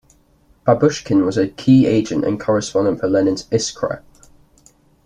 Babushkin was a key agent and correspondent for Lenin's "Iskra".